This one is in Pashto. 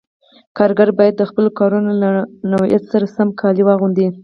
کاریګر باید د خپلو کارونو له نوعیت سره سم کالي واغوندي.